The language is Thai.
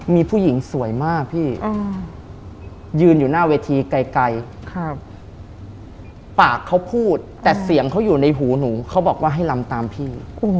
มีผู้หญิงสวยมากพี่ยืนอยู่หน้าเวทีไกลปากเขาพูดแต่เสียงเขาอยู่ในหูหนูเขาบอกว่าให้ลำตามพี่